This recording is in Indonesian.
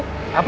apa ya pak